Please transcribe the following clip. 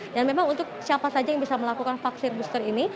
dan memang untuk siapa saja yang bisa melakukan vaksin booster ini